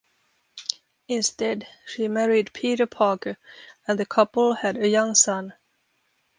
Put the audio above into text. Instead, she married Peter Parker, and the couple had a young son.